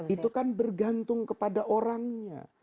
itu kan bergantung kepada orangnya